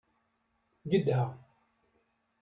Gedha.